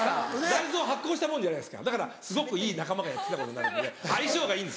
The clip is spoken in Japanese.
大豆発酵したもんじゃないですかだからすごくいい仲間がやって来たことになるので相性がいいんですよ。